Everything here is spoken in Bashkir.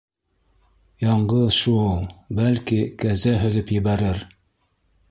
Яңғыҙ шу-ул, бәлки, кәзә һөҙөп ебәрер.